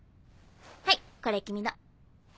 はいこれ君の。